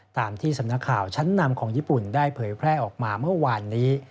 ตามที่สำนักข่าวชั้นนำของญี่ปุ่นได้เผยแพร่ออกมาเมื่อวานนี้